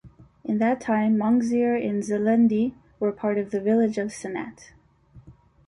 In that time, Monxiar and Xlendi were part of the village of Sannat.